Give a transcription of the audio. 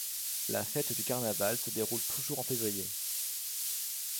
La fête du carnaval se déroule toujours en février.